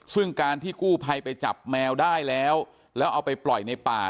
ซึ่งการที่กู้ภัยไปจับแมวได้แล้วแล้วเอาไปปล่อยในป่า